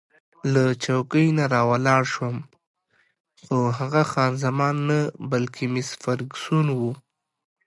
له چوکۍ نه راولاړ شوم، خو هغه خان زمان نه، بلکې مس فرګوسن وه.